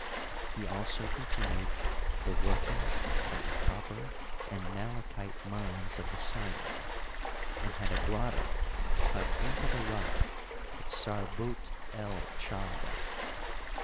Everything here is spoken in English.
He also continued the working of the cop per and malachite mines of the Sinai, and had a grotto cut into the rock at Sarbiit el Chidem.